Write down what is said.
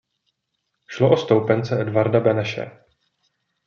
Šlo o stoupence Edvarda Beneše.